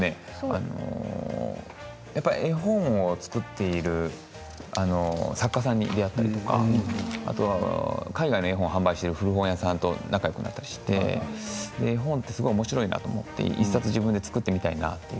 やっぱり絵本を作っている作家さんに出会ったりとか海外の絵本を販売したりする古本屋さんと仲よくなったりして絵本っておもしろいな１冊自分で作ってみたいなと。